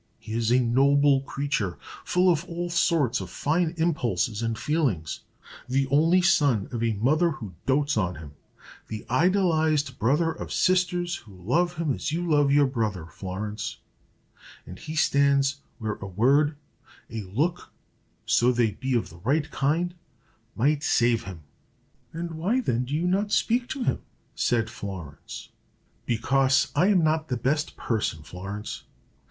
He is a noble creature, full of all sorts of fine impulses and feelings; the only son of a mother who dotes on him, the idolized brother of sisters who love him as you love your brother, Florence; and he stands where a word, a look so they be of the right kind might save him." "And why, then, do you not speak to him?" said Florence. "Because I am not the best person, Florence.